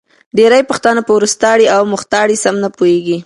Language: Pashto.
ډېری پښتانه په وروستاړې او مختاړې سم نه پوهېږې